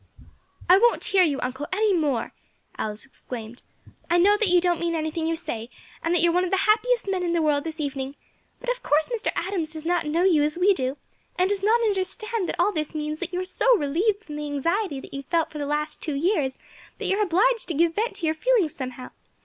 "I won't hear you, uncle, any more," Alice exclaimed; "I know that you don't mean anything you say, and that you are one of the happiest men in the world this evening; but of course Mr. Adams does not know you as we do, and does not understand that all this means that you are so relieved from the anxiety that you have felt for the last two years that you are obliged to give vent to your feelings somehow.